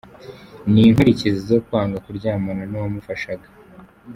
Ni inkurikizi zo kwanga kuryamana n’uwamufashaga.